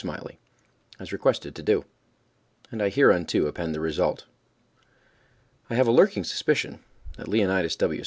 Smiley, as requested to do, and I hereunto append the result. I have a lurking suspicion that _Leonidas W.